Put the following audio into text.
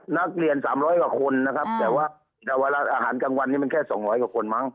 นักเรียน๓๐๐กว่าคนนะครับแต่ว่าอาหารกลางวันนี้มันแค่๒๐๐กว่าคนมั้ง